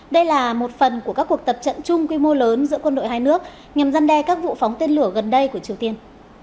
đây là một phần của các cuộc tập trận chung quy mô lớn giữa quân đội hai nước nhằm gian đe các vụ phóng tên lửa gần đây của triều tiên